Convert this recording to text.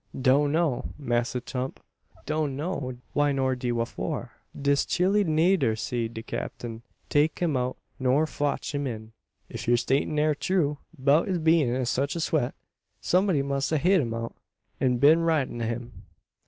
"Doan know, Massa Tump; doan know de why nor de whafor. Dis chile neider see de Cap'n take um out nor fotch um in." "If yur statement air true 'beout his bein' in sech a sweat, someb'dy must a hed him out, an been ridin' o' him."